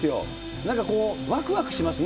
なんかこう、わくわくしますね。